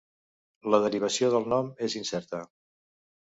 La derivació del nom és incerta.